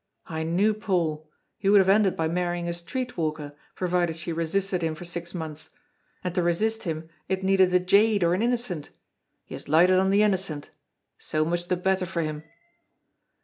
I knew Paul. He would have ended by marrying a street walker, provided she resisted him for six months. And to resist him it needed a jade or an innocent. He has lighted on the innocent. So much the better for him!"